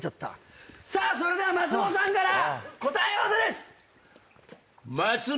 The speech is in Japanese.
さあそれでは松本さんから答え合わせです！